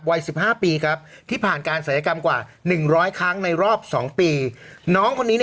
วัย๑๕ปีครับที่ผ่านการศัลยกรรมกว่า๑๐๐ครั้งในรอบ๒ปีน้องคนนี้